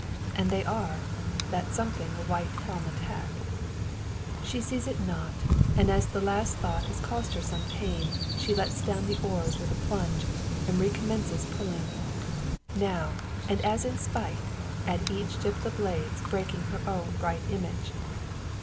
And they are; that something a white helmet hat. She sees it not; and as the last thought has caused her some pain, she lets down the oars with a plunge, and recommences pulling; now, and as in spite, at each dip of the blades breaking her own bright image!